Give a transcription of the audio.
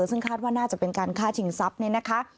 ซึ่งคาดว่าน่าจะเป็นการฆ่าชิงทรัพย์เนี่ยนะคะ